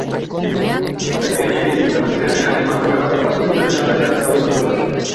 Behin etxebizitzan zirenean, emakume bat topatu zuten sabelean zauri bat zuela.